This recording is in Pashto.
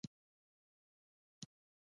مصنوعي ځیرکتیا د انساني احساساتو انځور بدلوي.